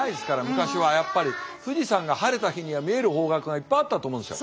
昔はやっぱり富士山が晴れた日には見える方角がいっぱいあったと思うんですよ。